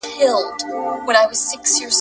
حقایق د هر چا لپاره یو ډول دي.